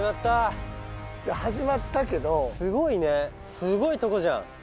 始まったけどすごいねすごいとこじゃん